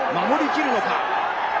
守りきるのか。